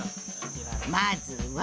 まずは。